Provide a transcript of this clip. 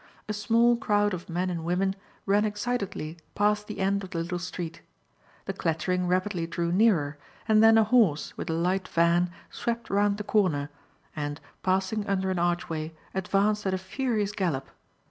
A small crowd of men and women ran excitedly past the end of the little street. The clattering rapidly drew nearer; and then a horse, with a light van, swept round the corner and passing under an archway, advanced at a furious gallop.